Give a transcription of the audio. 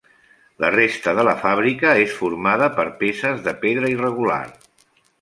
La resta de la fàbrica és formada per peces de pedra irregular.